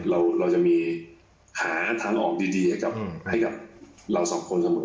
เราจะมีหาทางออกดีให้กับเราสองคนเสมอ